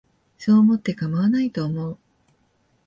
そう思ってかまわないと思う